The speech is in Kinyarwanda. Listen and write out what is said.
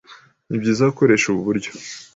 Ni byiza gukoresha ubu buryo